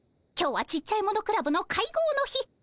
今日はちっちゃいものクラブの会合の日。